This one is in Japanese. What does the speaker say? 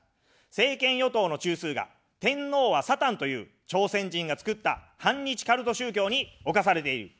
政権与党の中枢が天皇はサタンという、朝鮮人が作った反日カルト宗教に侵されている。